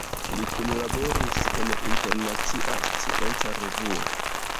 Li kunlaboris en Internacia Scienca Revuo.